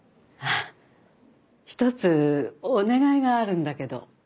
あっ一つお願いがあるんだけど。